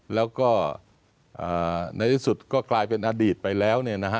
แล้วก็ในที่สุดก็กลายเป็นอดีตไปแล้ว